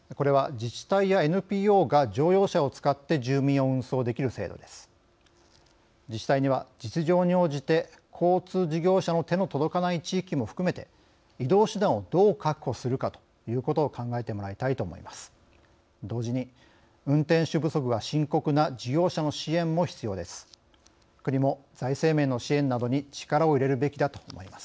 自治体には、実情に応じて交通事業者の手の届かない地域も含めて移動手段をどう確保するかということを考えてもらいたいと思います。